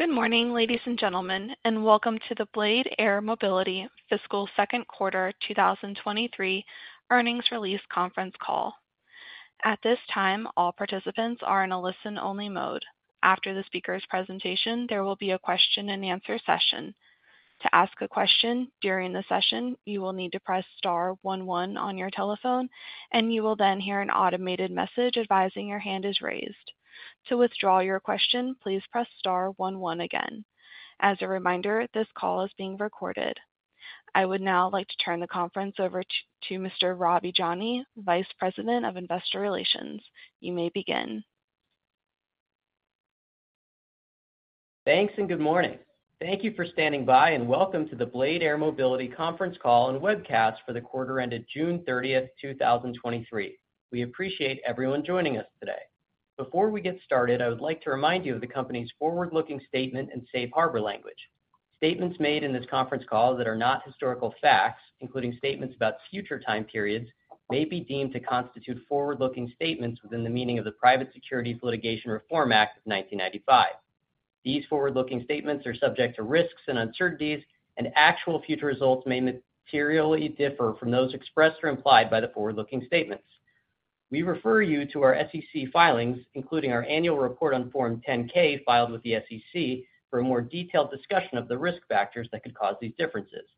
Good morning, ladies and gentlemen, and welcome to the Blade Air Mobility Fiscal Second Quarter 2023 Earnings Release Conference Call. At this time, all participants are in a listen-only mode. After the speaker's presentation, there will be a question-and-answer session. To ask a question during the session, you will need to press star one one on your telephone, and you will then hear an automated message advising your hand is raised. To withdraw your question, please press star one one again. As a reminder, this call is being recorded. I would now like to turn the conference over to Mr. Ravi Jani, Vice President of Investor Relations. You may begin. Thanks and good morning. Thank you for standing by, and welcome to the Blade Air Mobility conference call and webcast for the quarter ended June 30th, 2023. We appreciate everyone joining us today. Before we get started, I would like to remind you of the company's forward-looking statement and Safe Harbor language. Statements made in this conference call that are not historical facts, including statements about future time periods, may be deemed to constitute forward-looking statements within the meaning of the Private Securities Litigation Reform Act of 1995. These forward-looking statements are subject to risks and uncertainties, and actual future results may materially differ from those expressed or implied by the forward-looking statements. We refer you to our SEC filings, including our annual report on Form 10-K, filed with the SEC for a more detailed discussion of the risk factors that could cause these differences.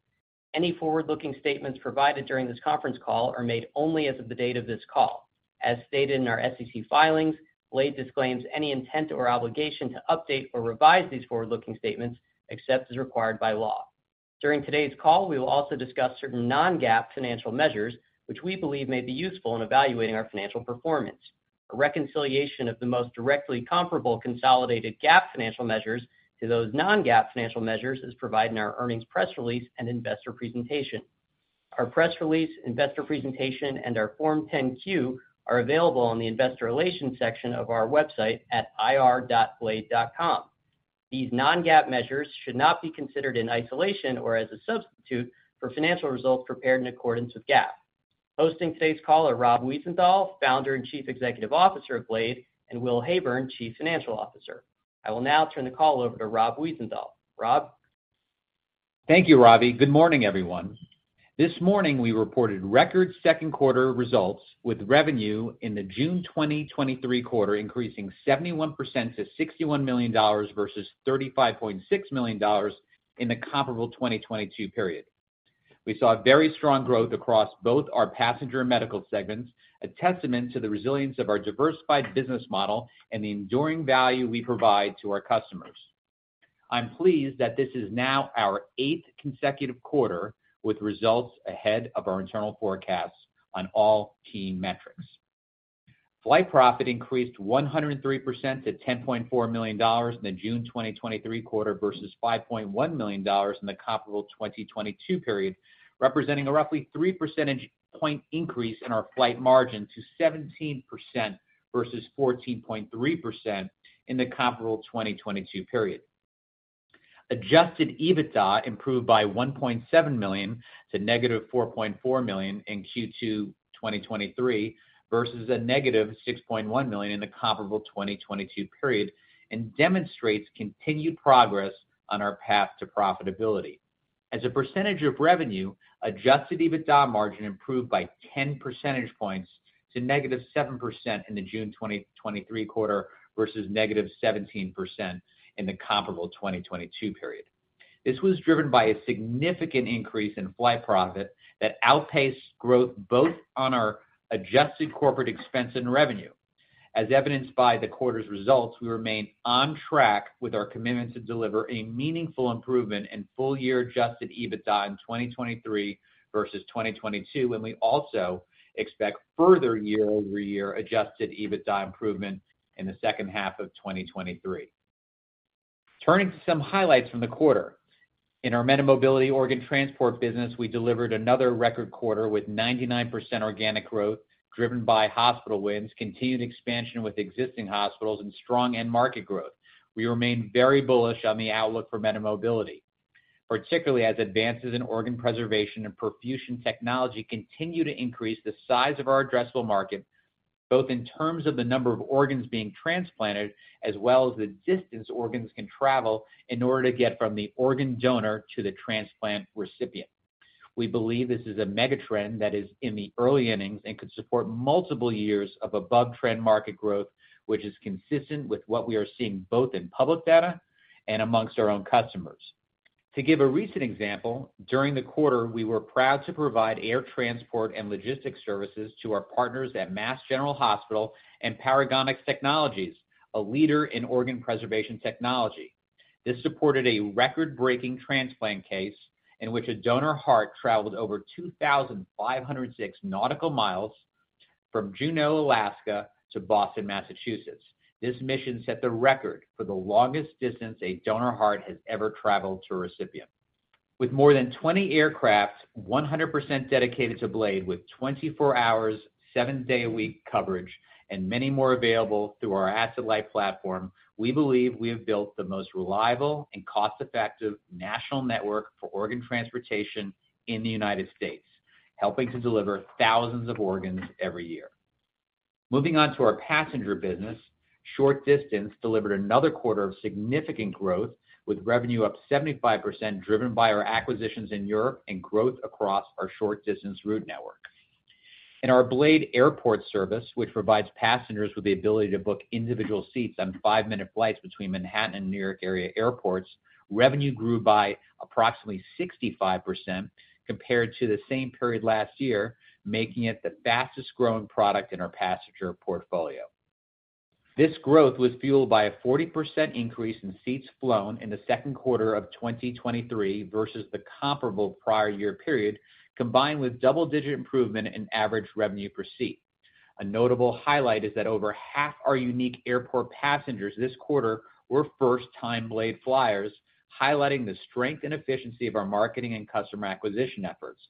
Any forward-looking statements provided during this conference call are made only as of the date of this call. As stated in our SEC filings, Blade disclaims any intent or obligation to update or revise these forward-looking statements, except as required by law. During today's call, we will also discuss certain non-GAAP financial measures, which we believe may be useful in evaluating our financial performance. A reconciliation of the most directly comparable consolidated GAAP financial measures to those non-GAAP financial measures is provided in our earnings press release and investor presentation. Our press release, investor presentation, and our Form 10-Q are available on the investor relations section of our website at ir.blade.com. These non-GAAP measures should not be considered in isolation or as a substitute for financial results prepared in accordance with GAAP. Hosting today's call are Rob Wiesenthal, Founder and Chief Executive Officer of Blade, and Will Heyburn, Chief Financial Officer. I will now turn the call over to Rob Wiesenthal. Rob? Thank you, Robbie. Good morning, everyone. This morning, we reported record second quarter results, with revenue in the June 2023 quarter increasing 71% to $61 million, versus $35.6 million in the comparable 2022 period. We saw very strong growth across both our passenger and medical segments, a testament to the resilience of our diversified business model and the enduring value we provide to our customers. I'm pleased that this is now our eighth consecutive quarter with results ahead of our internal forecasts on all key metrics. Flight Profit increased 103% to $10.4 million in the June 2023 quarter versus $5.1 million in the comparable 2022 period, representing a roughly 3 percentage point increase in our Flight Margin to 17% versus 14.3% in the comparable 2022 period. Adjusted EBITDA improved by $1.7 million to -$4.4 million in Q2 2023, versus a -$6.1 million in the comparable 2022 period, demonstrates continued progress on our path to profitability. As a percentage of revenue, Adjusted EBITDA margin improved by 10 percentage points to -7% in the June 2023 quarter versus -17% in the comparable 2022 period. This was driven by a significant increase in Flight Profit that outpaced growth both on our adjusted corporate expense and revenue. As evidenced by the quarter's results, we remain on track with our commitment to deliver a meaningful improvement in full-year Adjusted EBITDA in 2023 versus 2022, we also expect further year-over-year Adjusted EBITDA improvement in the second half of 2023. Turning to some highlights from the quarter. In our MediMobility organ transport business, we delivered another record quarter with 99% organic growth, driven by hospital wins, continued expansion with existing hospitals and strong end market growth. We remain very bullish on the outlook for MediMobility, particularly as advances in organ preservation and perfusion technology continue to increase the size of our addressable market, both in terms of the number of organs being transplanted, as well as the distance organs can travel in order to get from the organ donor to the transplant recipient. We believe this is a mega trend that is in the early innings and could support multiple years of above-trend market growth, which is consistent with what we are seeing both in public data and amongst our own customers. To give a recent example, during the quarter, we were proud to provide air transport and logistics services to our partners at Massachusetts General Hospital and Paragonix Technologies, a leader in organ preservation technology. This supported a record-breaking transplant case in which a donor heart traveled over 2,506 nautical miles from Juneau, Alaska, to Boston, Massachusetts. This mission set the record for the longest distance a donor heart has ever traveled to a recipient. With more than 20 aircrafts, 100% dedicated to Blade, with 24 hours, seven day-a-week coverage and many more available through our asset-light platform, we believe we have built the most reliable and cost-effective national network for organ transportation in the United States, helping to deliver thousands of organs every year. Moving on to our passenger business. Short distance delivered another quarter of significant growth, with revenue up 75%, driven by our acquisitions in Europe and growth across our short-distance route network. In our Blade Airport service, which provides passengers with the ability to book individual seats on five-minute flights between Manhattan and New York area airports, revenue grew by approximately 65% compared to the same period last year, making it the fastest-growing product in our passenger portfolio. This growth was fueled by a 40% increase in seats flown in the second quarter of 2023 versus the comparable prior year period, combined with double-digit improvement in average revenue per seat. A notable highlight is that over half our unique airport passengers this quarter were first-time Blade flyers, highlighting the strength and efficiency of our marketing and customer acquisition efforts.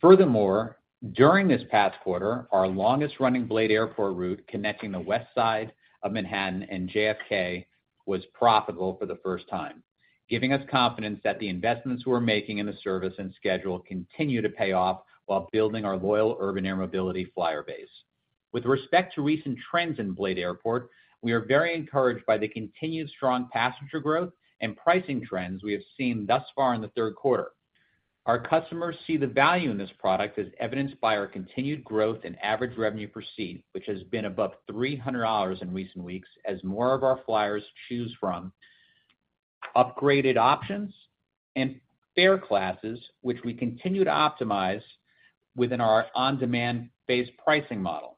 Furthermore, during this past quarter, our longest-running Blade Airport route, connecting the West Side of Manhattan and JFK, was profitable for the first time, giving us confidence that the investments we're making in the service and schedule continue to pay off while building our loyal urban air mobility flyer base. With respect to recent trends in Blade Airport, we are very encouraged by the continued strong passenger growth and pricing trends we have seen thus far in the third quarter. Our customers see the value in this product, as evidenced by our continued growth in average revenue per seat, which has been above $300 in recent weeks, as more of our flyers choose from upgraded options and fare classes, which we continue to optimize within our on-demand-based pricing model.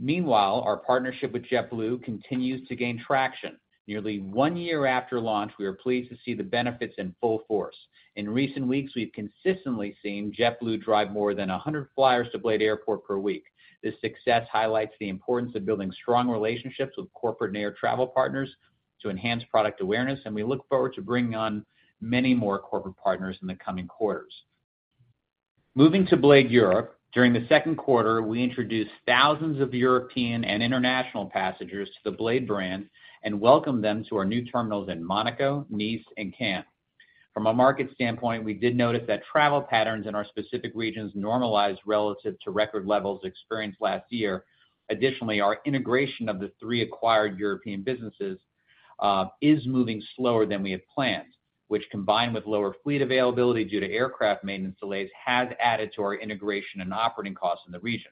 Meanwhile, our partnership with JetBlue continues to gain traction. Nearly one year after launch, we are pleased to see the benefits in full force. In recent weeks, we've consistently seen JetBlue drive more than 100 flyers to Blade Airport per week. This success highlights the importance of building strong relationships with corporate and air travel partners to enhance product awareness, and we look forward to bringing on many more corporate partners in the coming quarters. Moving to Blade Europe, during the second quarter, we introduced thousands of European and international passengers to the Blade brand and welcomed them to our new terminals in Monaco, Nice, and Cannes. From a market standpoint, we did notice that travel patterns in our specific regions normalized relative to record levels experienced last year. Additionally, our integration of the three acquired European businesses is moving slower than we had planned, which, combined with lower fleet availability due to aircraft maintenance delays, has added to our integration and operating costs in the region.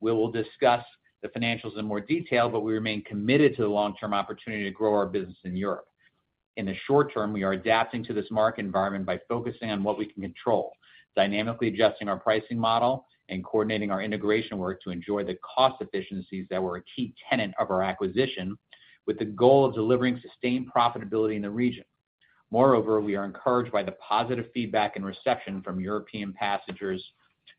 We will discuss the financials in more detail. We remain committed to the long-term opportunity to grow our business in Europe. In the short term, we are adapting to this market environment by focusing on what we can control, dynamically adjusting our pricing model and coordinating our integration work to ensure the cost efficiencies that were a key tenet of our acquisition, with the goal of delivering sustained profitability in the region. Moreover, we are encouraged by the positive feedback and reception from European passengers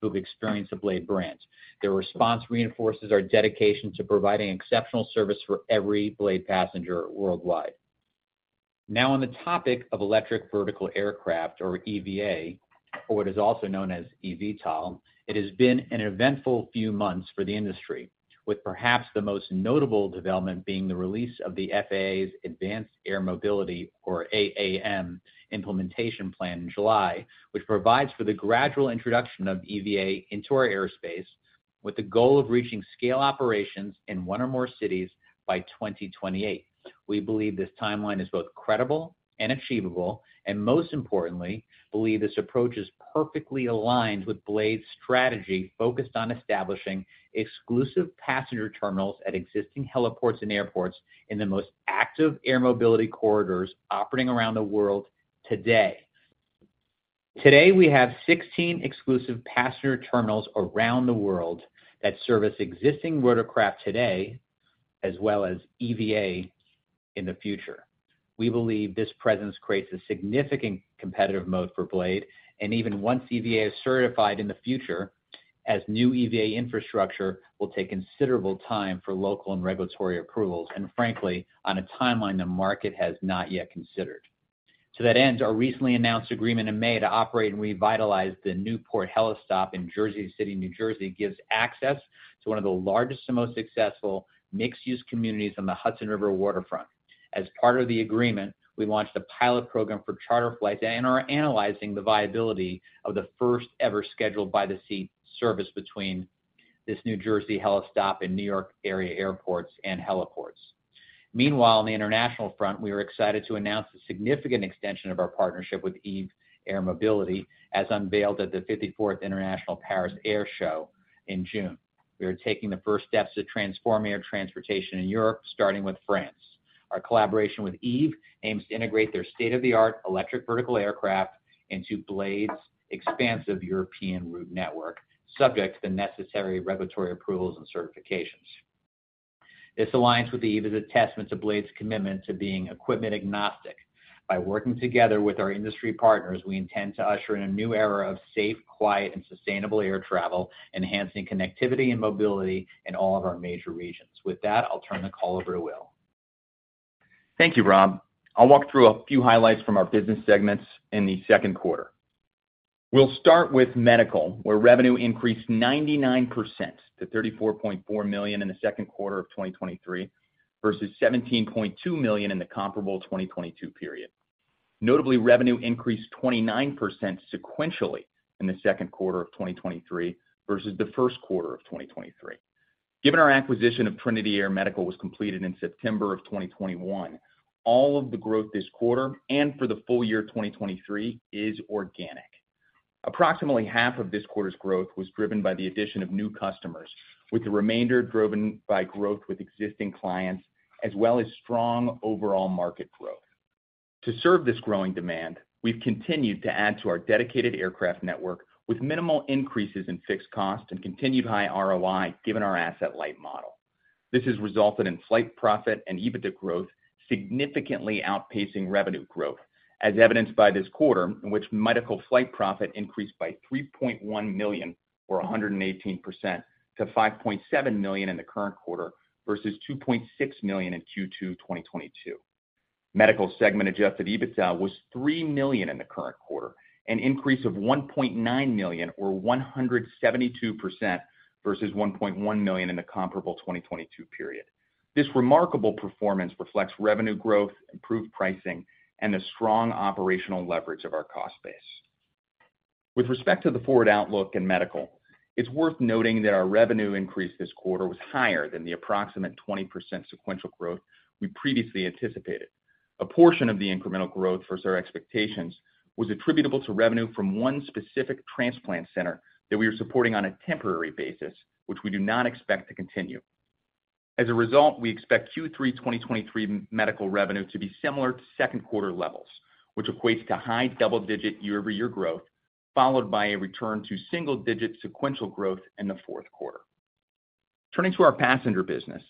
who have experienced the Blade brand. Their response reinforces our dedication to providing exceptional service for every Blade passenger worldwide. On the topic of electric vertical aircraft, or EVA, or what is also known as EVTOL, it has been an eventful few months for the industry, with perhaps the most notable development being the release of the FAA's Advanced Air Mobility, or AAM, implementation plan in July, which provides for the gradual introduction of EVA into our airspace, with the goal of reaching scale operations in one or more cities by 2028. We believe this timeline is both credible and achievable, most importantly, believe this approach is perfectly aligned with Blade's strategy, focused on establishing exclusive passenger terminals at existing heliports and airports in the most active air mobility corridors operating around the world today. Today, we have 16 exclusive passenger terminals around the world that service existing rotorcraft today, as well as EVA in the future. We believe this presence creates a significant competitive moat for Blade, and even once EVA is certified in the future, as new EVA infrastructure will take considerable time for local and regulatory approvals, and frankly, on a timeline the market has not yet considered. To that end, our recently announced agreement in May to operate and revitalize the Newport HeliStop in Jersey City, New Jersey, gives access to one of the largest and most successful mixed-use communities on the Hudson River waterfront. As part of the agreement, we launched a pilot program for charter flights and are analyzing the viability of the first-ever scheduled by-the-seat service between this New Jersey HeliStop and New York area airports and heliports. Meanwhile, on the international front, we are excited to announce the significant extension of our partnership with Eve Air Mobility, as unveiled at the fifty-fourth International Paris Air Show in June. We are taking the first steps to transform air transportation in Europe, starting with France. Our collaboration with Eve aims to integrate their state-of-the-art electric vertical aircraft into Blade's expansive European route network, subject to the necessary regulatory approvals and certifications. This alliance with Eve is a testament to Blade's commitment to being equipment agnostic. By working together with our industry partners, we intend to usher in a new era of safe, quiet, and sustainable air travel, enhancing connectivity and mobility in all of our major regions. With that, I'll turn the call over to Will. Thank you, Rob. I'll walk through a few highlights from our business segments in the second quarter. We'll start with medical, where revenue increased 99% to $34.4 million in the second quarter of 2023, versus $17.2 million in the comparable 2022 period. Notably, revenue increased 29% sequentially in the second quarter of 2023 versus the first quarter of 2023. Given our acquisition of Trinity Air Medical was completed in September of 2021, all of the growth this quarter and for the full year 2023 is organic. Approximately half of this quarter's growth was driven by the addition of new customers, with the remainder driven by growth with existing clients, as well as strong overall market growth. To serve this growing demand, we've continued to add to our dedicated aircraft network with minimal increases in fixed costs and continued high ROI, given our asset-light model. This has resulted in slight profit and EBITDA growth, significantly outpacing revenue growth, as evidenced by this quarter, in which medical flight profit increased by $3.1 million, or 118%, to $5.7 million in the current quarter, versus $2.6 million in Q2 2022. Medical segment Adjusted EBITDA was $3 million in the current quarter, an increase of $1.9 million, or 172%, versus $1.1 million in the comparable 2022 period. This remarkable performance reflects revenue growth, improved pricing, and the strong operational leverage of our cost base. With respect to the forward outlook in medical, it's worth noting that our revenue increase this quarter was higher than the approximate 20% sequential growth we previously anticipated. A portion of the incremental growth versus our expectations was attributable to revenue from one specific transplant center that we were supporting on a temporary basis, which we do not expect to continue. As a result, we expect Q3 2023 medical revenue to be similar to second quarter levels, which equates to high double-digit year-over-year growth, followed by a return to single-digit sequential growth in the fourth quarter. Turning to our passenger business.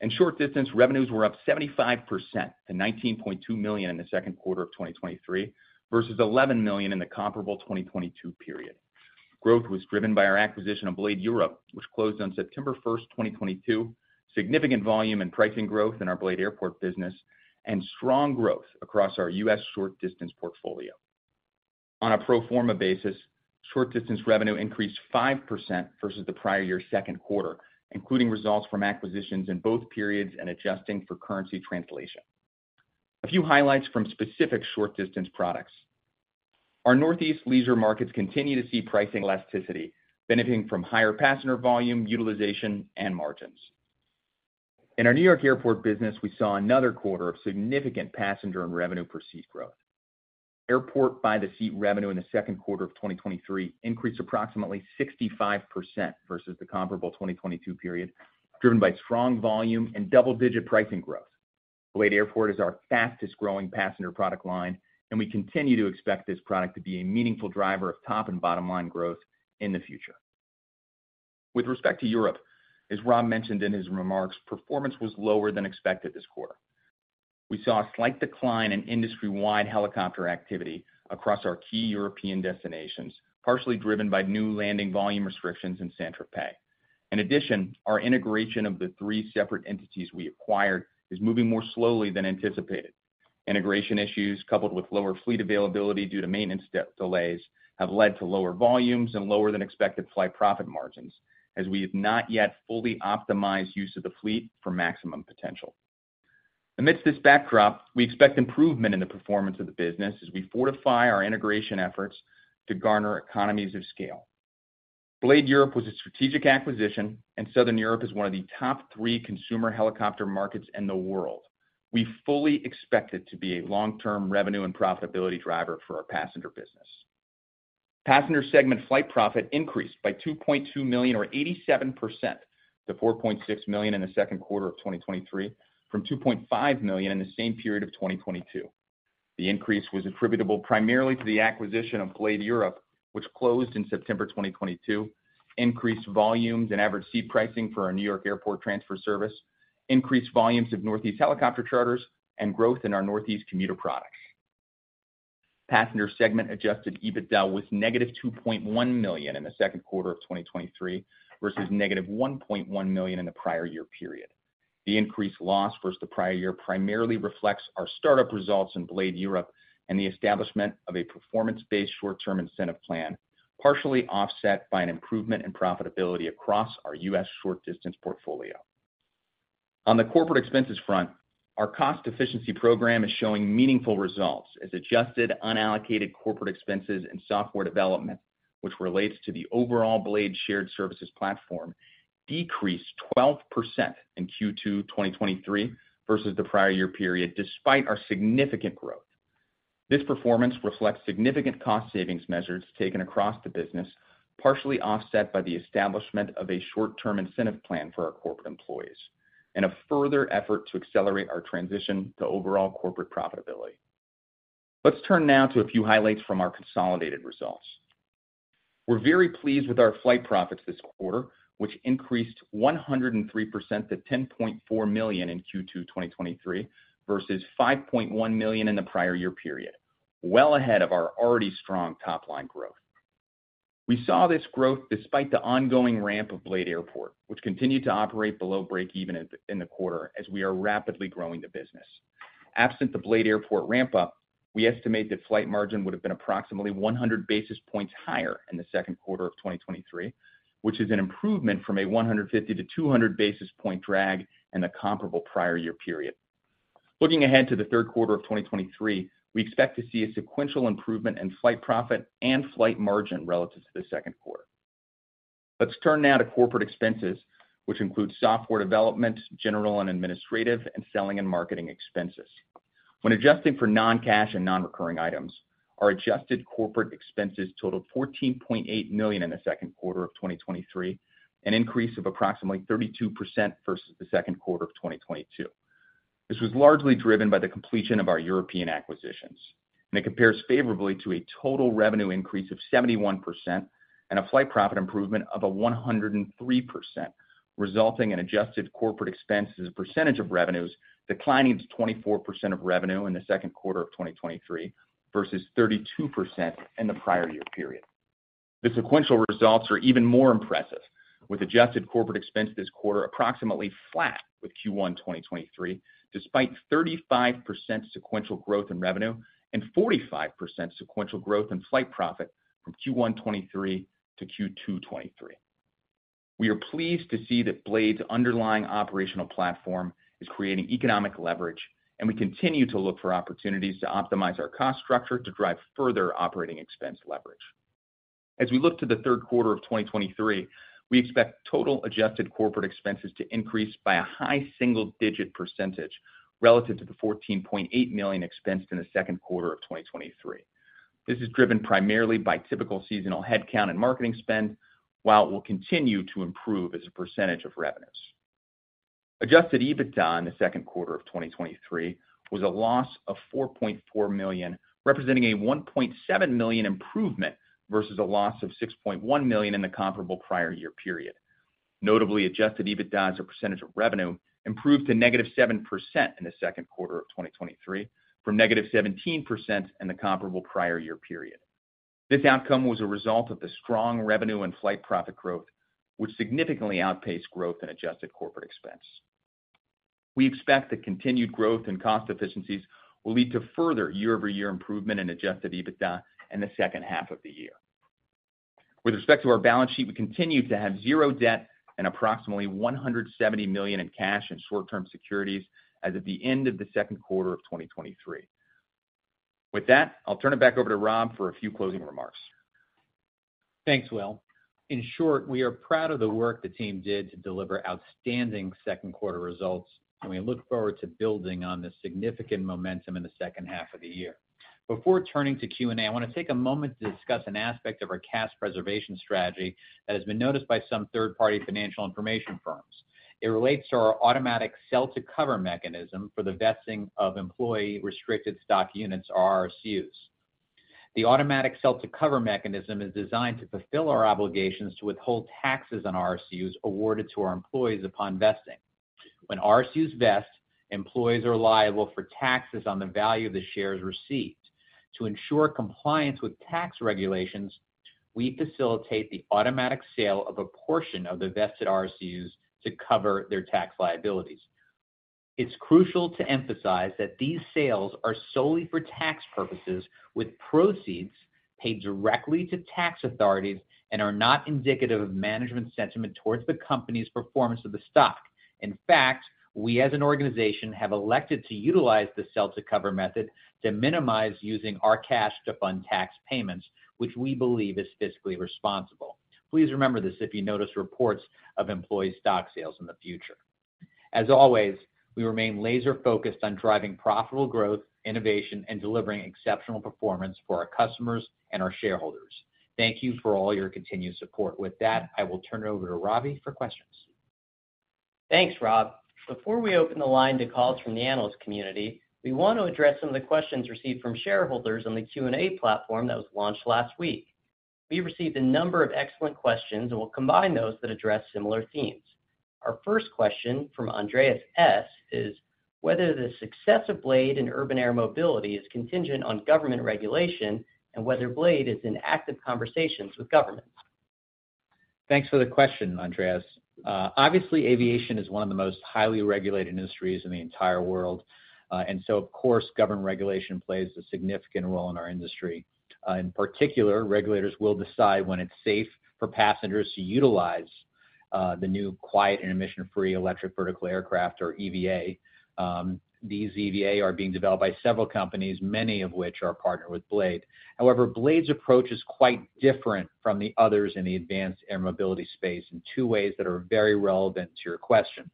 In short distance, revenues were up 75% to $19.2 million in the second quarter of 2023, versus $11 million in the comparable 2022 period. Growth was driven by our acquisition of Blade Europe, which closed on September 1st, 2022, significant volume and pricing growth in our Blade Airport business, and strong growth across our U.S. short distance portfolio. On a pro forma basis, short distance revenue increased 5% versus the prior year's second quarter, including results from acquisitions in both periods and adjusting for currency translation. A few highlights from specific short distance products. Our Northeast leisure markets continue to see pricing elasticity, benefiting from higher passenger volume, utilization, and margins. In our New York Airport business, we saw another quarter of significant passenger and revenue per seat growth. Airport by-the-seat revenue in the second quarter of 2023 increased approximately 65% versus the comparable 2022 period, driven by strong volume and double-digit pricing growth. Blade Airport is our fastest-growing passenger product line, and we continue to expect this product to be a meaningful driver of top and bottom line growth in the future. With respect to Europe, as Rob mentioned in his remarks, performance was lower than expected this quarter. We saw a slight decline in industry-wide helicopter activity across our key European destinations, partially driven by new landing volume restrictions in Saint-Tropez. In addition, our integration of the three separate entities we acquired is moving more slowly than anticipated. Integration issues, coupled with lower fleet availability due to maintenance delays, have led to lower volumes and lower-than-expected Flight Profit margins, as we have not yet fully optimized use of the fleet for maximum potential. Amidst this backdrop, we expect improvement in the performance of the business as we fortify our integration efforts to garner economies of scale. Blade Europe was a strategic acquisition. Southern Europe is one of the top three consumer helicopter markets in the world. We fully expect it to be a long-term revenue and profitability driver for our passenger business. Passenger segment Flight Profit increased by $2.2 million, or 87%, to $4.6 million in the second quarter of 2023, from $2.5 million in the same period of 2022. The increase was attributable primarily to the acquisition of Blade Europe, which closed in September 2022, increased volumes and average seat pricing for our New York Airport transfer service, increased volumes of Northeast helicopter charters, and growth in our Northeast commuter products. Passenger segment Adjusted EBITDA was negative $2.1 million in the second quarter of 2023, versus negative $1.1 million in the prior year period. The increased loss versus the prior year primarily reflects our startup results in Blade Europe and the establishment of a performance-based short-term incentive plan, partially offset by an improvement in profitability across our U.S. short distance portfolio. On the corporate expenses front, our cost efficiency program is showing meaningful results as adjusted unallocated corporate expenses and software development, which relates to the overall Blade Shared Services platform, decreased 12% in Q2 2023 versus the prior year period, despite our significant growth. This performance reflects significant cost savings measures taken across the business, partially offset by the establishment of a short-term incentive plan for our corporate employees and a further effort to accelerate our transition to overall corporate profitability. Let's turn now to a few highlights from our consolidated results. We're very pleased with our flight profits this quarter, which increased 103% to $10.4 million in Q2 2023, versus $5.1 million in the prior year period, well ahead of our already strong top-line growth. We saw this growth despite the ongoing ramp of Blade Airport, which continued to operate below breakeven in the quarter, as we are rapidly growing the business. Absent the Blade Airport ramp-up, we estimate that flight margin would have been approximately 100 basis points higher in the second quarter of 2023, which is an improvement from a 150-200 basis point drag in the comparable prior year period. Looking ahead to the third quarter of 2023, we expect to see a sequential improvement in flight profit and flight margin relative to the second quarter. Let's turn now to corporate expenses, which include software development, general and administrative, and selling and marketing expenses. When adjusting for non-cash and non-recurring items, our Adjusted Corporate Expenses totaled $14.8 million in the second quarter of 2023, an increase of approximately 32% versus the second quarter of 2022. This was largely driven by the completion of our European acquisitions, and it compares favorably to a total revenue increase of 71% and a Flight Profit improvement of a 103%, resulting in Adjusted Corporate Expenses percentage of revenues declining to 24% of revenue in the second quarter of 2023 versus 32% in the prior year period. The sequential results are even more impressive, with adjusted corporate expense this quarter approximately flat with Q1 2023, despite 35% sequential growth in revenue and 45% sequential growth in Flight Profit from Q1 2023 to Q2 2023. We are pleased to see that Blade's underlying operational platform is creating economic leverage, and we continue to look for opportunities to optimize our cost structure to drive further operating expense leverage. As we look to the third quarter of 2023, we expect total adjusted corporate expenses to increase by a high single-digit percentage relative to the $14.8 million expensed in the second quarter of 2023. This is driven primarily by typical seasonal headcount and marketing spend, while it will continue to improve as a percentage of revenues. Adjusted EBITDA in the second quarter of 2023 was a loss of $4.4 million, representing a $1.7 million improvement versus a loss of $6.1 million in the comparable prior year period. Notably, Adjusted EBITDA as a percentage of revenue improved to -7% in the second quarter of 2023 from -17% in the comparable prior year period. This outcome was a result of the strong revenue and Flight Profit growth, which significantly outpaced growth in adjusted corporate expense. We expect that continued growth and cost efficiencies will lead to further year-over-year improvement in Adjusted EBITDA in the second half of the year. With respect to our balance sheet, we continue to have zero debt and approximately $170 million in cash and short-term securities as of the end of the second quarter of 2023. With that, I'll turn it back over to Rob for a few closing remarks. Thanks, Will. In short, we are proud of the work the team did to deliver outstanding second quarter results, and we look forward to building on this significant momentum in the second half of the year. Before turning to Q&A, I want to take a moment to discuss an aspect of our cash preservation strategy that has been noticed by some third-party financial information firms. It relates to our automatic sell-to-cover mechanism for the vesting of employee restricted stock units, or RSUs. The automatic sell-to-cover mechanism is designed to fulfill our obligations to withhold taxes on RSUs awarded to our employees upon vesting. When RSUs vest, employees are liable for taxes on the value of the shares received. To ensure compliance with tax regulations, we facilitate the automatic sale of a portion of the vested RSUs to cover their tax liabilities. It's crucial to emphasize that these sales are solely for tax purposes, with proceeds paid directly to tax authorities and are not indicative of management sentiment towards the company's performance of the stock. In fact, we, as an organization, have elected to utilize the sell-to-cover method to minimize using our cash to fund tax payments, which we believe is fiscally responsible. Please remember this if you notice reports of employee stock sales in the future. As always, we remain laser-focused on driving profitable growth, innovation, and delivering exceptional performance for our customers and our shareholders. Thank you for all your continued support. With that, I will turn it over to Robbie for questions. Thanks, Rob. Before we open the line to calls from the analyst community, we want to address some of the questions received from shareholders on the Q&A platform that was launched last week. We received a number of excellent questions. We'll combine those that address similar themes. Our first question from Andreas S is, whether the success of Blade in urban air mobility is contingent on government regulation and whether Blade is in active conversations with government? Thanks for the question, Andreas. Obviously, aviation is one of the most highly regulated industries in the entire world, and so of course, government regulation plays a significant role in our industry. In particular, regulators will decide when it's safe for passengers to utilize the new quiet and emission-free electric vertical aircraft, or EVA. These EVA are being developed by several companies, many of which are partnered with Blade. However, Blade's approach is quite different from the others in the Advanced Air Mobility space in two ways that are very relevant to your question.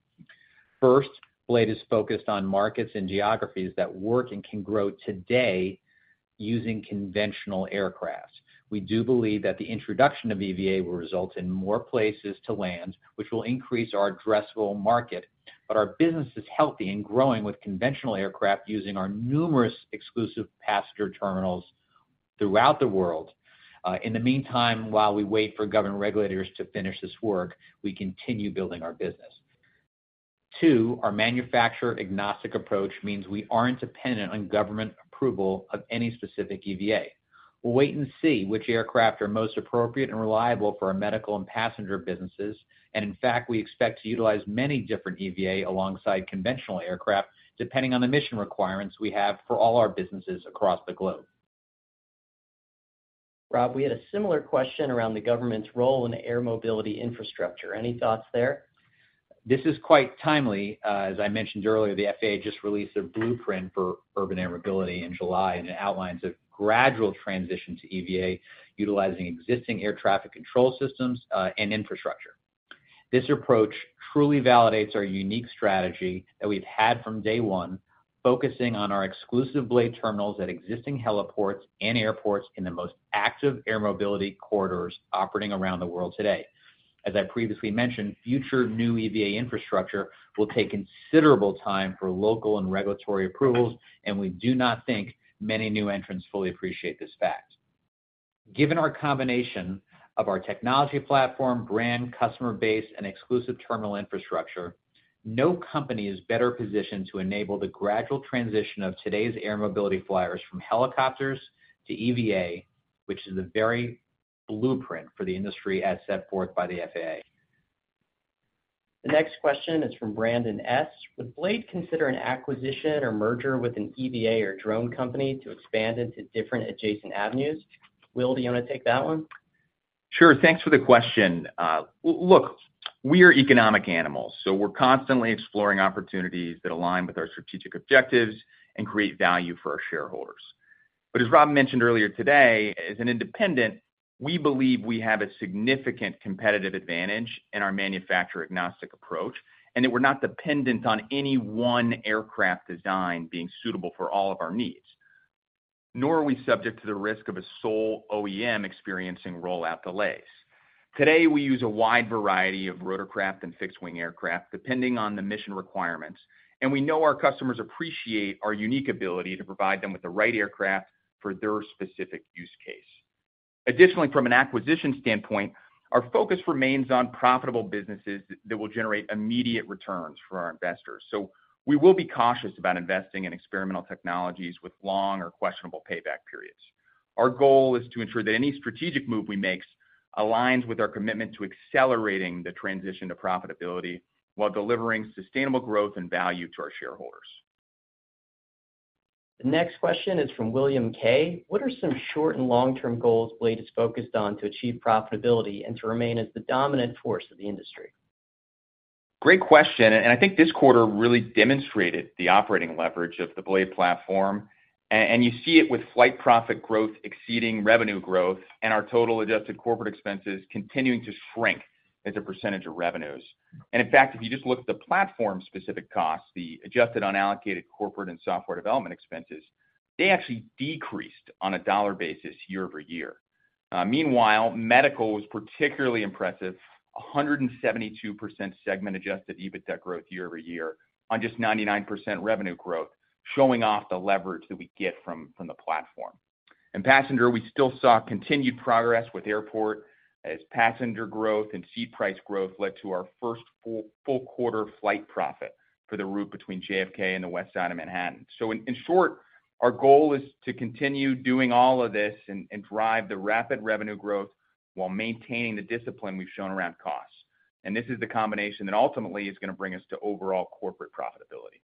First, Blade is focused on markets and geographies that work and can grow today using conventional aircraft. We do believe that the introduction of EVA will result in more places to land, which will increase our addressable market. Our business is healthy and growing with conventional aircraft, using our numerous exclusive passenger terminals throughout the world. In the meantime, while we wait for government regulators to finish this work, we continue building our business. Two, our manufacturer-agnostic approach means we aren't dependent on government approval of any specific EVA. We'll wait and see which aircraft are most appropriate and reliable for our medical and passenger businesses. In fact, we expect to utilize many different EVA alongside conventional aircraft, depending on the mission requirements we have for all our businesses across the globe. Rob, we had a similar question around the government's role in air mobility infrastructure. Any thoughts there? This is quite timely. As I mentioned earlier, the FAA just released a blueprint for urban air mobility in July, it outlines a gradual transition to EVA, utilizing existing air traffic control systems and infrastructure. This approach truly validates our unique strategy that we've had from day one, focusing on our exclusive Blade terminals at existing heliports and airports in the most active air mobility corridors operating around the world today. As I previously mentioned, future new EVA infrastructure will take considerable time for local and regulatory approvals, we do not think many new entrants fully appreciate this fact. Given our combination of our technology platform, brand, customer base, and exclusive terminal infrastructure, no company is better positioned to enable the gradual transition of today's air mobility flyers from helicopters to EVA, which is the very blueprint for the industry as set forth by the FAA. The next question is from Brandon S: Would Blade consider an acquisition or merger with an EVA or drone company to expand into different adjacent avenues? Will, do you want to take that one? Sure. Thanks for the question. Look, we are economic animals, so we're constantly exploring opportunities that align with our strategic objectives and create value for our shareholders. As Rob mentioned earlier today, as an independent, we believe we have a significant competitive advantage in our manufacturer-agnostic approach, and that we're not dependent on any one aircraft design being suitable for all of our needs, nor are we subject to the risk of a sole OEM experiencing rollout delays. Today, we use a wide variety of rotorcraft and fixed-wing aircraft, depending on the mission requirements, and we know our customers appreciate our unique ability to provide them with the right aircraft for their specific use case. Additionally, from an acquisition standpoint, our focus remains on profitable businesses that will generate immediate returns for our investors. We will be cautious about investing in experimental technologies with long or questionable payback periods. Our goal is to ensure that any strategic move we make aligns with our commitment to accelerating the transition to profitability while delivering sustainable growth and value to our shareholders. The next question is from William K: What are some short- and long-term goals Blade is focused on to achieve profitability and to remain as the dominant force of the industry? Great question. I think this quarter really demonstrated the operating leverage of the Blade platform. You see it with Flight Profit growth exceeding revenue growth, and our total adjusted corporate expenses continuing to shrink as a percentage of revenues. In fact, if you just look at the platform-specific costs, the adjusted unallocated corporate and software development expenses, they actually decreased on a dollar basis year-over-year. Meanwhile, medical was particularly impressive, 172% segment-adjusted EBITDA growth year-over-year on just 99% revenue growth, showing off the leverage that we get from, from the platform. In passenger, we still saw continued progress with Airport as passenger growth and seat price growth led to our first full, full quarter Flight Profit for the route between JFK and the West Side of Manhattan. In, in short, our goal is to continue doing all of this and, and drive the rapid revenue growth while maintaining the discipline we've shown around costs. This is the combination that ultimately is going to bring us to overall corporate profitability.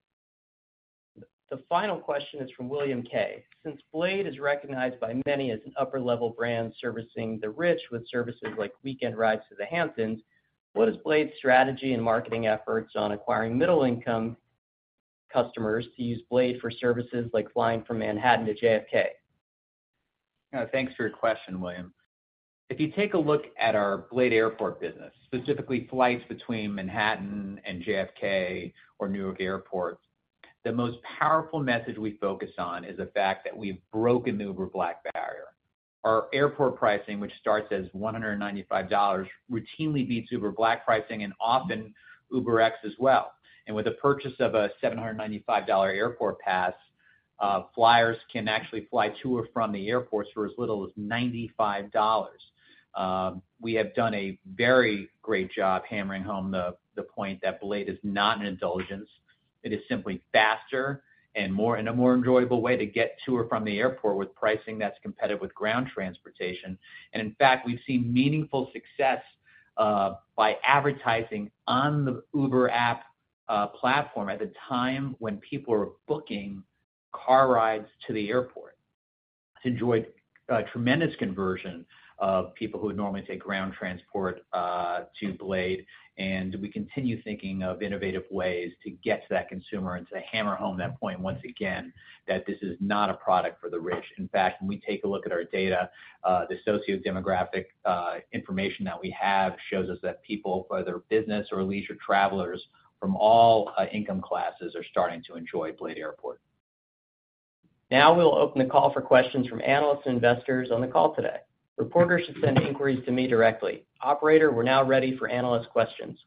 The final question is from William K: Since Blade is recognized by many as an upper-level brand servicing the rich with services like weekend rides to the Hamptons, what is Blade's strategy and marketing efforts on acquiring middle-income customers to use Blade for services like flying from Manhattan to JFK? Thanks for your question, William. If you take a look at our Blade Airport business, specifically flights between Manhattan and JFK or Newark Airport, the most powerful message we focus on is the fact that we've broken the Uber Black barrier. Our airport pricing, which starts as $195, routinely beats Uber Black pricing and often UberX as well. With the purchase of a $795 Airport Pass, flyers can actually fly to or from the airports for as little as $95. We have done a very great job hammering home the point that Blade is not an indulgence. It is simply faster and a more enjoyable way to get to or from the airport with pricing that's competitive with ground transportation. In fact, we've seen meaningful success by advertising on the Uber app platform at the time when people are booking car rides to the airport. Enjoyed a tremendous conversion of people who would normally take ground transport to Blade, and we continue thinking of innovative ways to get to that consumer and to hammer home that point once again, that this is not a product for the rich. In fact, when we take a look at our data, the sociodemographic information that we have shows us that people, whether business or leisure travelers from all income classes, are starting to enjoy Blade Airport. We'll open the call for questions from analysts and investors on the call today. Reporters should send inquiries to me directly. Operator, we're now ready for analyst questions.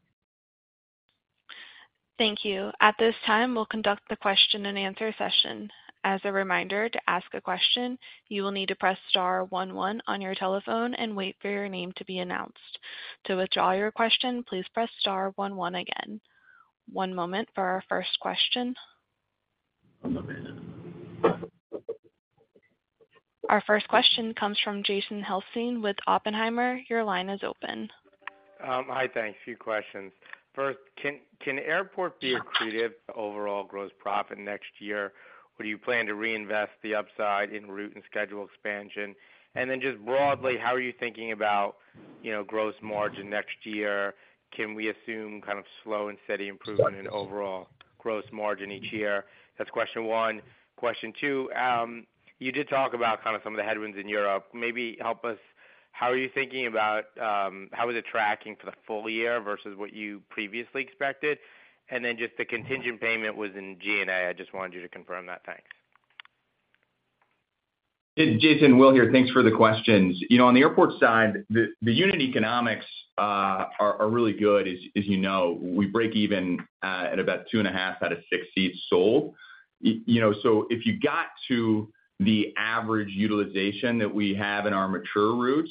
Thank you. At this time, we'll conduct the question-and-answer session. As a reminder, to ask a question, you will need to press star one one on your telephone and wait for your name to be announced. To withdraw your question, please press star one one again. One moment for our first question. Our first question comes from Jason Helfstein with Oppenheimer. Your line is open. Hi, thanks. A few questions. First, can airport be accretive to overall gross profit next year, or do you plan to reinvest the upside in route and schedule expansion? Just broadly, how are you thinking about, you know, gross margin next year? Can we assume kind of slow and steady improvement in overall gross margin each year? That's question one. Question two, you did talk about kind of some of the headwinds in Europe. Maybe help us, how are you thinking about, how is it tracking for the full year versus what you previously expected? Just the contingent payment was in G&A. I just wanted you to confirm that. Thanks. Jason, Will here. Thanks for the questions. You know, on the airport side, the, the unit economics are, are really good, as, as you know. We break even at about two and a half out of six seats sold. You know, if you got to the average utilization that we have in our mature routes,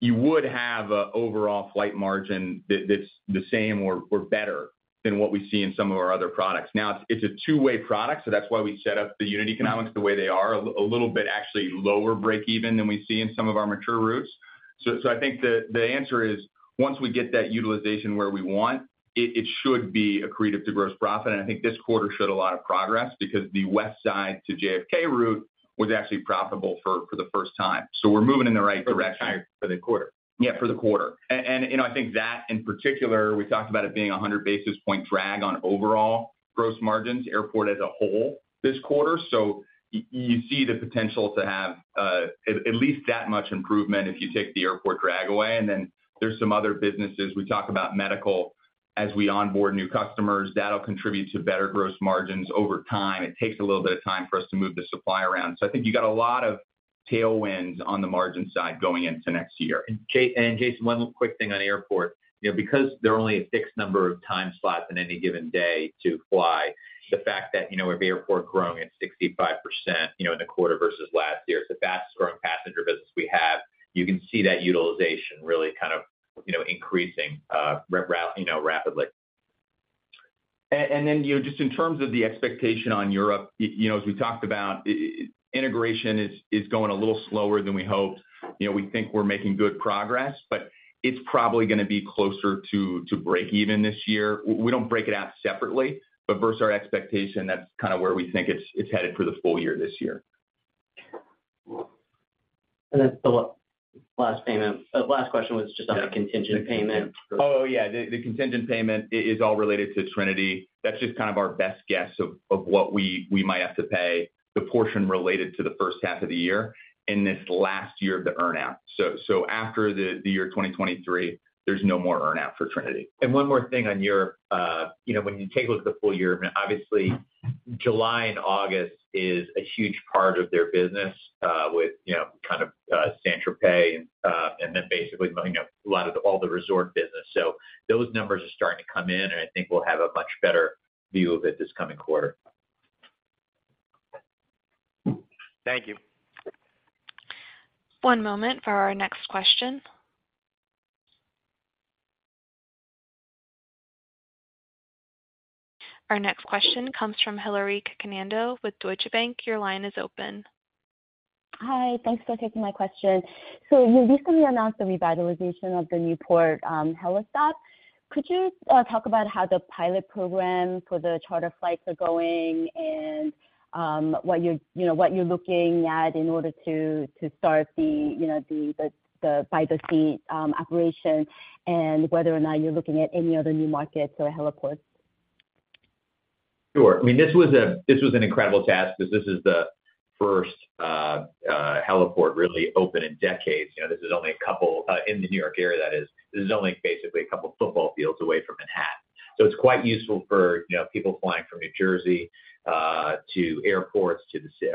you would have a overall Flight Margin that, that's the same or, or better than what we see in some of our other products. Now, it's a two-way product, so that's why we set up the unit economics the way they are, a little bit actually lower break even than we see in some of our mature routes. I think the, the answer is, once we get that utilization where we want, it, it should be accretive to gross profit. I think this quarter showed a lot of progress because the West Side to JFK route was actually profitable for the first time. We're moving in the right direction. For the quarter? Yeah, for the quarter. You know, I think that in particular, we talked about it being 100 basis point drag on overall gross margins, airport as a whole, this quarter. You see the potential to have at least that much improvement if you take the airport drag away. Then there's some other businesses. We talk about medical as we onboard new customers, that'll contribute to better gross margins over time. It takes a little bit of time for us to move the supply around. I think you got a lot of tailwinds on the margin side going into next year. Jason, one quick thing on airport. You know, because there are only a fixed number of time slots in any given day to fly, the fact that, you know, with the airport growing at 65%, you know, in the quarter versus last year, it's the fastest growing passenger business we have. You can see that utilization really kind of, you know, increasing rapidly. Then, you know, just in terms of the expectation on Europe, you know, as we talked about, integration is, is going a little slower than we hoped. You know, we think we're making good progress, but it's probably gonna be closer to, to break even this year. We don't break it out separately, but versus our expectation, that's kind of where we think it's, it's headed for the full year this year. Then the last payment. last question was just on the contingent payment. Oh, yeah. The contingent payment is all related to Trinity. That's just kind of our best guess of what we might have to pay, the portion related to the first half of the year in this last year of the earn-out. After the year 2023, there's no more earn-out for Trinity. One more thing on your, you know, when you take a look at the full year, obviously, July and August is a huge part of their business, with, you know, kind of, Saint-Tropez, and then basically moving a lot of all the resort business. Those numbers are starting to come in, and I think we'll have a much better view of it this coming quarter. Thank you. One moment for our next question. Our next question comes from Hillary Cacanando with Deutsche Bank. Your line is open. Hi, thanks for taking my question. You recently announced the revitalization of the Newport HeliStop. Could you talk about how the pilot program for the charter flights are going and what you're, you know, what you're looking at in order to, to start the, you know, the, the, the by-the-seat operation, and whether or not you're looking at any other new markets or heliports? Sure. I mean, this was an incredible task because this is the first heliport really open in decades. You know, this is only a couple in the New York area, that is. This is only basically a couple of football fields away from Manhattan. It's quite useful for, you know, people flying from New Jersey to airports,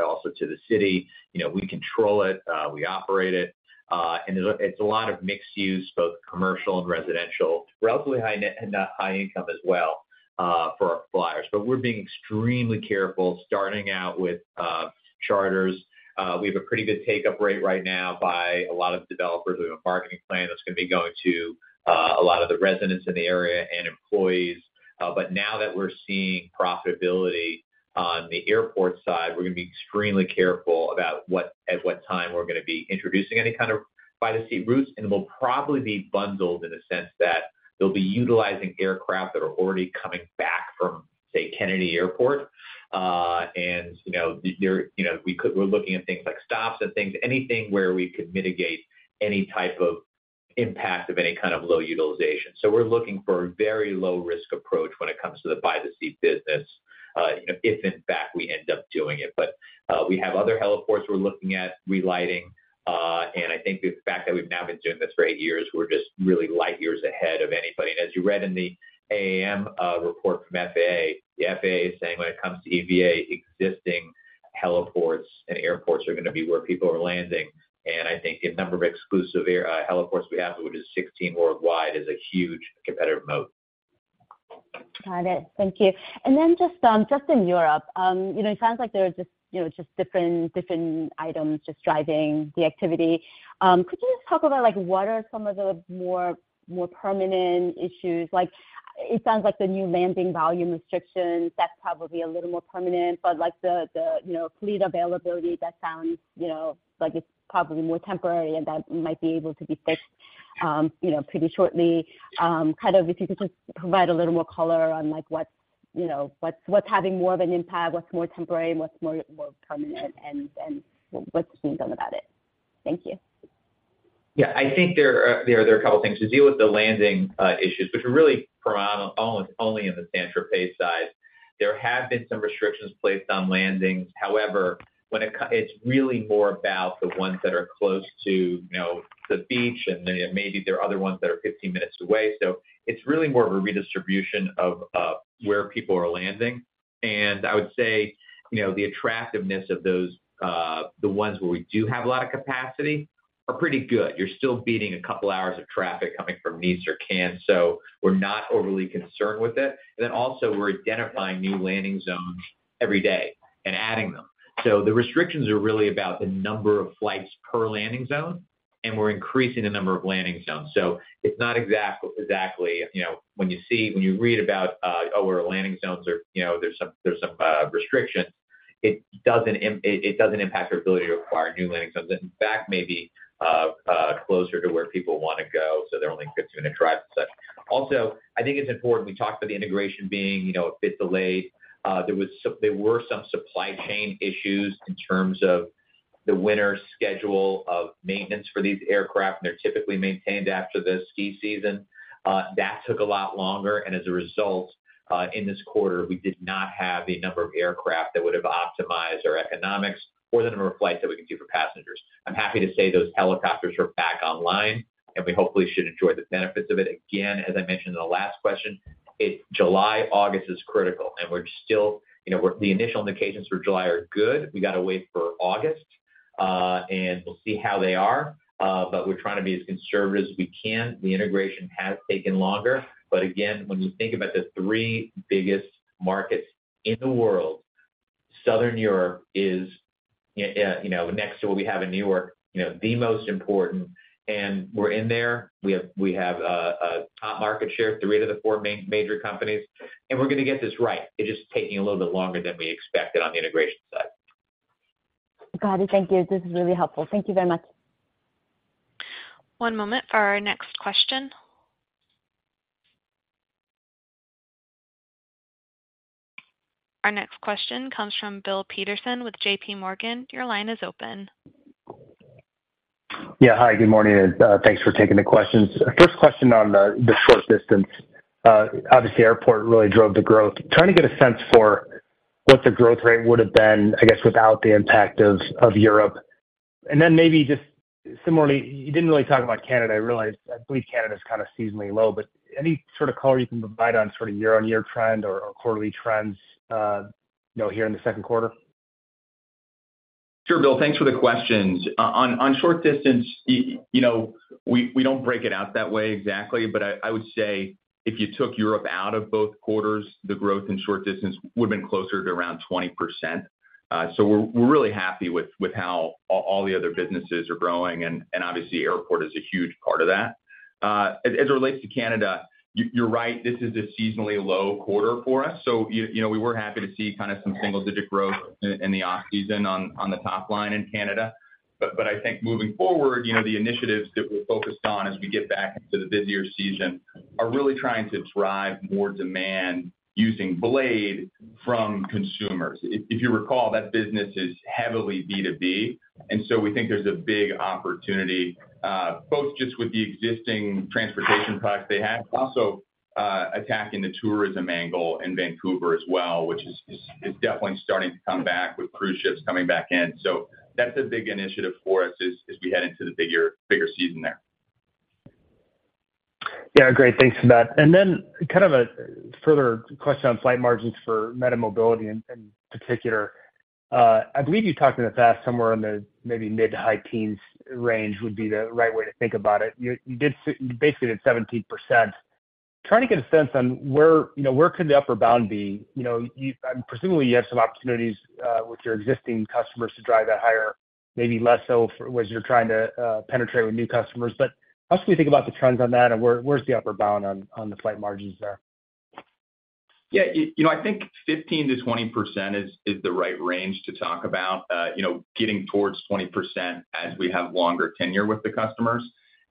also to the city. You know, we control it, we operate it, and it's a, it's a lot of mixed use, both commercial and residential, relatively high net and high income as well, for our flyers. We're being extremely careful starting out with charters. We have a pretty good take-up rate right now by a lot of developers. We have a marketing plan that's gonna be going to a lot of the residents in the area and employees. Now that we're seeing profitability on the airport side, we're gonna be extremely careful about what-- at what time we're gonna be introducing any kind of by-the-seat routes. It will probably be bundled in a sense that they'll be utilizing aircraft that are already coming back from, say, Kennedy Airport. You know, there, you know, we could- we're looking at things like stops and things, anything where we could mitigate any type of impact of any kind of low utilization. We're looking for a very low-risk approach when it comes to the by-the-seat business, if in fact, we end up doing it. We have other heliports we're looking at relighting, and I think the fact that we've now been doing this for eight years, we're just really light years ahead of anybody. As you read in the AAM report from FAA, the FAA is saying when it comes to EVA, existing heliports and airports are gonna be where people are landing. I think the number of exclusive air heliports we have, which is 16 worldwide, is a huge competitive moat. Got it. Thank you. Then just, just in Europe, you know, it sounds like there are just, you know, just different, different items just driving the activity. Could you just talk about, like, what are some of the more, more permanent issues? It sounds like the new landing volume restrictions, that's probably a little more permanent, but like the, the, you know, fleet availability, that sounds, you know, like it's probably more temporary and that might be able to be fixed, you know, pretty shortly. Kind of if you could just provide a little more color on like what's, you know, what's, what's having more of an impact, what's more temporary and what's more, more permanent, and, and what's being done about it? Thank you. Yeah, I think there are, there are a couple of things. To deal with the landing issues, which are really predominant only in the Saint-Tropez side. There have been some restrictions placed on landings. However, when it's really more about the ones that are close to, you know, the beach, and then maybe there are other ones that are 15 minutes away. It's really more of a redistribution of where people are landing. I would say, you know, the attractiveness of those, the ones where we do have a lot of capacity are pretty good. You're still beating a couple of hours of traffic coming from Nice or Cannes, we're not overly concerned with it. Also, we're identifying new landing zones every day and adding them. The restrictions are really about the number of flights per landing zone, and we're increasing the number of landing zones. It's not exactly, you know, when you see-- when you read about, oh, our landing zones are, you know, there's some, there's some restrictions, it doesn't impact our ability to acquire new landing zones. In fact, maybe, closer to where people want to go, so they're only a 15-minute drive and such. I think it's important, we talked about the integration being, you know, a bit delayed. There were some supply chain issues in terms of the winter schedule of maintenance for these aircraft, and they're typically maintained after the ski season. That took a lot longer. As a result, in this quarter, we did not have the number of aircraft that would have optimized our economics or the number of flights that we could do for passengers. I'm happy to say those helicopters are back online. We hopefully should enjoy the benefits of it. Again, as I mentioned in the last question, July, August is critical. We're still, you know, The initial indications for July are good. We got to wait for August. We'll see how they are. We're trying to be as conservative as we can. The integration has taken longer. Again, when you think about the three biggest markets in the world, Southern Europe is, you know, next to what we have in New York, you know, the most important, and we're in there. We have, we have a top market share, three out of the four major companies, and we're going to get this right. It's just taking a little bit longer than we expected on the integration side. Got it. Thank you. This is really helpful. Thank you very much. One moment for our next question. Our next question comes from Bill Peterson with JPMorgan. Your line is open. Yeah, hi, good morning, and thanks for taking the questions. First question on the short distance. Obviously, airport really drove the growth. Trying to get a sense for what the growth rate would have been, I guess, without the impact of Europe. Then maybe just similarly, you didn't really talk about Canada. I realize, I believe Canada is kind of seasonally low, but any sort of color you can provide on sort of year-on-year trend or quarterly trends, you know, here in the second quarter? Sure, Bill. Thanks for the questions. On short distance, you know, we don't break it out that way exactly, but I would say if you took Europe out of both quarters, the growth in short distance would have been closer to around 20%. We're really happy with how all the other businesses are growing, and obviously, airport is a huge part of that. As it relates to Canada, you're right, this is a seasonally low quarter for us, so you know, we were happy to see kind of some single-digit growth in the off-season on the top line in Canada. I think moving forward, you know, the initiatives that we're focused on as we get back into the busier season are really trying to drive more demand using Blade from consumers. If, if you recall, that business is heavily B2B. We think there's a big opportunity, both just with the existing transportation products they have, also, attacking the tourism angle in Vancouver as well, which is, is, is definitely starting to come back with cruise ships coming back in. That's a big initiative for us as, as we head into the bigger, bigger season there. Yeah, great. Thanks for that. kind of a further question on flight margins for MediMobility in, in particular. I believe you talked in the past, somewhere in the maybe mid to high teens range would be the right way to think about it. You, you did basically at 17%. Trying to get a sense on where, you know, where could the upper bound be? You know, you, presumably, you have some opportunities with your existing customers to drive that higher, maybe less so for which you're trying to penetrate with new customers. How can we think about the trends on that, and where, where's the upper bound on, on the flight margins there? Yeah, you, you know, I think 15%-20% is, is the right range to talk about, you know, getting towards 20% as we have longer tenure with the customers.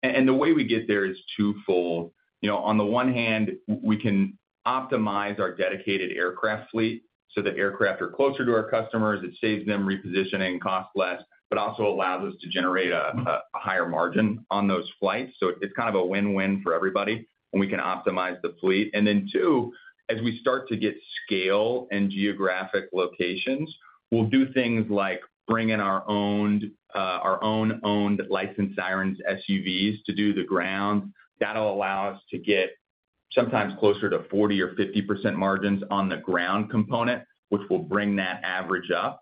The way we get there is twofold. You know, on the one hand, we can optimize our dedicated aircraft fleet so that aircraft are closer to our customers. It saves them repositioning, costs less, but also allows us to generate a higher margin on those flights. It's kind of a win-win for everybody, and we can optimize the fleet. Then two, as we start to get scale and geographic locations, we'll do things like bring in our owned, our own owned licensed sirens SUVs to do the ground. That'll allow us to get sometimes closer to 40% or 50% margins on the ground component, which will bring that average up.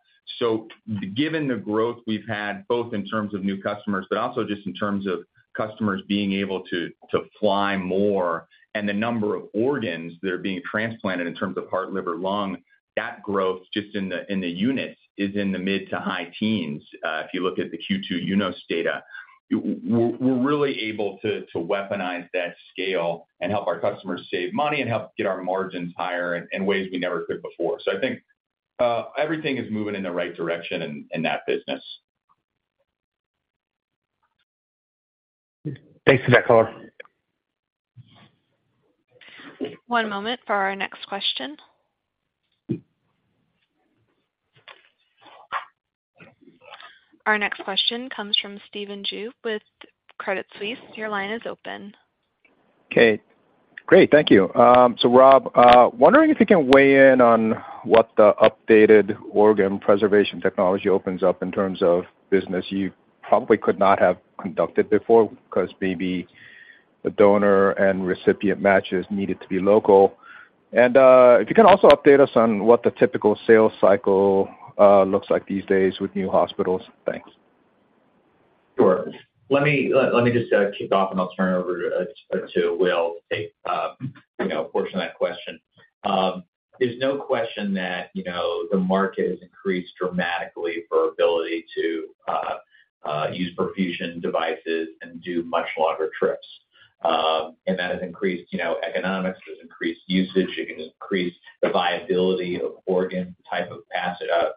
Given the growth we've had, both in terms of new customers, but also just in terms of customers being able to fly more and the number of organs that are being transplanted in terms of heart, liver, lung, that growth, just in the units, is in the mid-to-high teens if you look at the Q2 UNOS data. We're really able to weaponize that scale and help our customers save money and help get our margins higher in ways we never could before. Everything is moving in the right direction in that business. Thanks for that, Colin. One moment for our next question. Our next question comes from Stephen Ju with Credit Suisse. Your line is open. Okay, great. Thank you. Rob, wondering if you can weigh in on what the updated organ preservation technology opens up in terms of business you probably could not have conducted before, because maybe the donor and recipient matches needed to be local? If you can also update us on what the typical sales cycle looks like these days with new hospitals? Thanks. Sure. Let me just kick off, and I'll turn it over to Will to take, you know, a portion of that question. There's no question that, you know, the market has increased dramatically for ability to use perfusion devices and do much longer trips. That has increased, you know, economics, it has increased usage, it has increased the viability of organ type of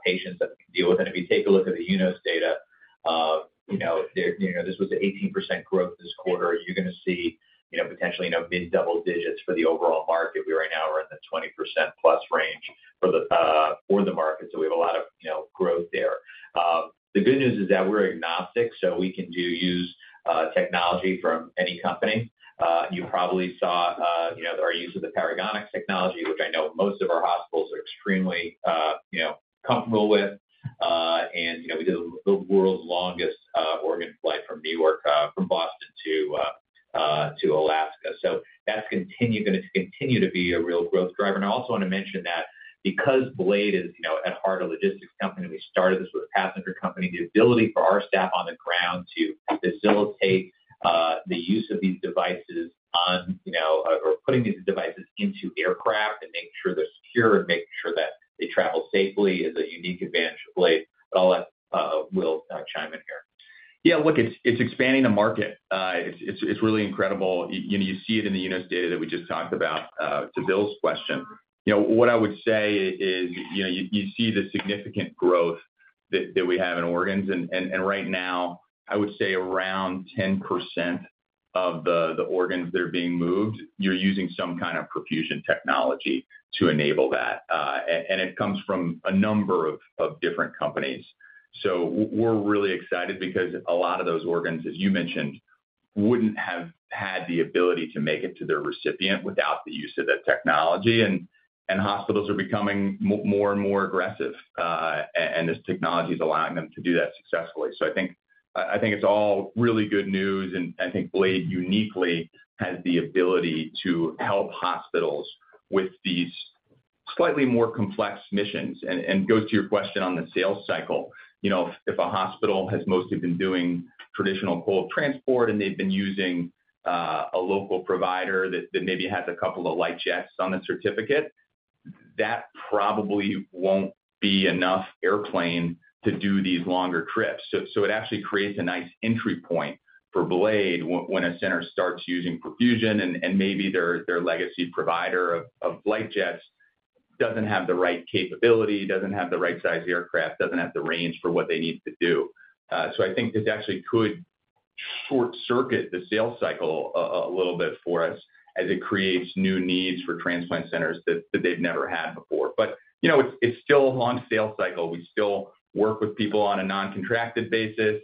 patients that can deal with it. If you take a look at the UNOS data, you know, there, you know, this was 18% growth this quarter. You're going to see, you know, potentially, you know, mid double digits for the overall market. We right now are in the 20%+ range for the market, so we have a lot of, you know, growth there. The good news is that we're agnostic, so we can do use technology from any company. You probably saw, you know, our use of the Paragonix technology, which I know most of our hospitals are extremely, you know, comfortable with. You know, we did the world's longest organ flight from New York, from Boston to Alaska. That's continue, gonna continue to be a real growth driver. I also want to mention that because Blade is, you know, at heart, a logistics company, we started this with a passenger company. The ability for our staff on the ground to facilitate the use of these devices on, you know, or putting these devices into aircraft and making sure they're secure and making sure that they travel safely is a unique advantage of Blade.I'll let Will chime in here. Yeah, look, it's, it's expanding the market. It's, it's really incredible. You, you see it in the UNOS data that we just talked about, to Bill's question. You know, what I would say is, you know, you, you see the significant growth that, that we have in organs, and, and, and right now, I would say around 10% of the, the organs that are being moved, you're using some kind of perfusion technology to enable that. It comes from a number of, of different companies. We're really excited because a lot of those organs, as you mentioned, wouldn't have had the ability to make it to their recipient without the use of that technology. Hospitals are becoming more and more aggressive, and this technology is allowing them to do that successfully. I think, I, I think it's all really good news, and I think Blade uniquely has the ability to help hospitals with these slightly more complex missions. Go to your question on the sales cycle, you know, if, if a hospital has mostly been doing traditional cold transport and they've been using a local provider that, that maybe has a couple of light jets on the certificate, that probably won't be enough airplane to do these longer trips. It actually creates a nice entry point for Blade when, when a center starts using perfusion and, and maybe their, their legacy provider of, of light jets doesn't have the right capability, doesn't have the right size aircraft, doesn't have the range for what they need to do. I think this actually could short-circuit the sales cycle a little bit for us as it creates new needs for transplant centers that they've never had before. You know, it's still a long sales cycle. We still work with people on a non-contracted basis.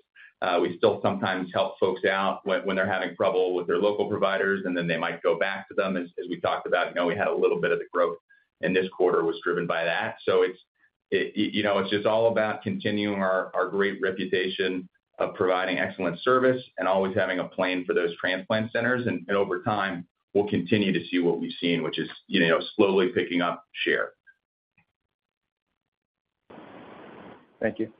We still sometimes help folks out when they're having trouble with their local providers, and then they might go back to them. As we talked about, you know, we had a little bit of the growth, and this quarter was driven by that. It, you know, it's just all about continuing our great reputation of providing excellent service and always having a plane for those transplant centers, and over time, we'll continue to see what we've seen, which is, you know, slowly picking up share. Thank you.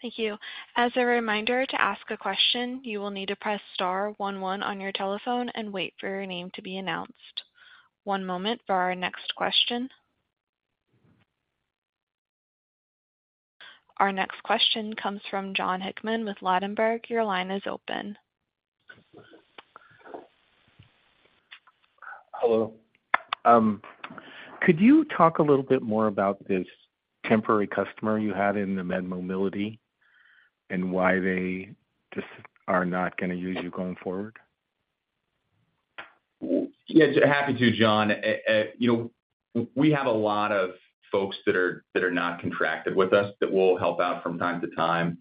Thank you. As a reminder, to ask a question, you will need to press star one one on your telephone and wait for your name to be announced. One moment for our next question. Our next question comes from Jon Hickman with Ladenburg. Your line is open. Hello. Could you talk a little bit more about this temporary customer you had in the MediMobility, and why they just are not gonna use you going forward? Yeah, happy to, Jon. We have a lot of folks that are, that are not contracted with us that will help out from time to time.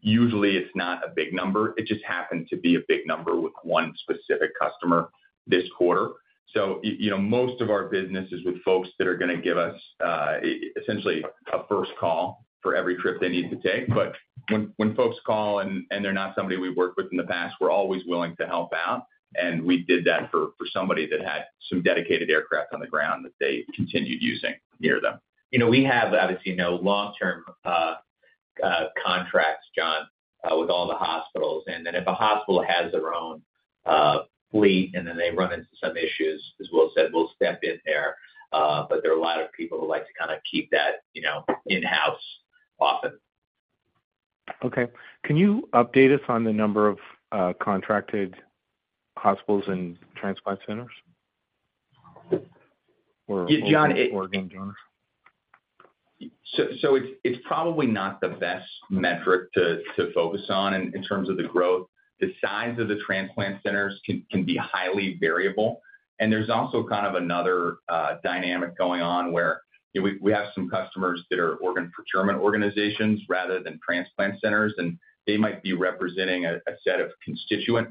Usually, it's not a big number. It just happened to be a big number with one specific customer this quarter. You know, most of our business is with folks that are gonna give us, essentially a first call for every trip they need to take. When, when folks call and, and they're not somebody we've worked with in the past, we're always willing to help out, and we did that for, for somebody that had some dedicated aircraft on the ground that they continued using near them. You know, we have, obviously, no long-term, contracts, Jon, with all the hospitals, if a hospital has their own, fleet, and then they run into some issues, as Will said, we'll step in there. There are a lot of people who like to kind of keep that, you know, in-house often. Okay. Can you update us on the number of contracted hospitals and transplant centers? Yeah, John, Organ donors. So it's, it's probably not the best metric to, to focus on in, in terms of the growth. The size of the transplant centers can, can be highly variable, and there's also kind of another, dynamic going on where, you know, we, we have some customers that are organ procurement organizations rather than transplant centers, and they might be representing a, a set of constituent.